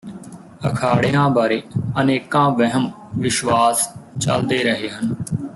ਅਖਾੜਿਆਂ ਬਾਰੇ ਅਨੇਕਾਂ ਵਹਿਮ ਵਿਸ਼ਵਾਸ ਚਲਦੇ ਰਹੇ ਹਨ